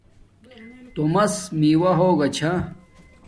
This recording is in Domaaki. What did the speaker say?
تومس میواہ ہوگا چھا